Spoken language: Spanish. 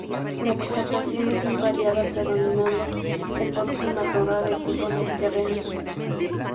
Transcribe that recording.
La vegetación es muy variada predominando el bosque y matorral de tipo mediterráneo.